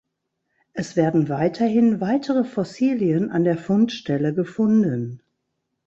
Es werden weiterhin weitere Fossilien an der Fundstelle gefunden.